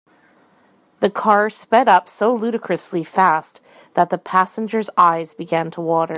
The car sped up so ludicrously fast that the passengers eyes began to water.